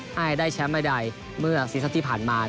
ให้ได้แชมป์ใดเมื่อซีซัดที่ผ่านมา